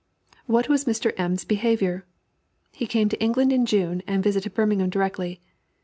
What was Mr. M.'s behavior? He came to England in June, and visited Birmingham directly.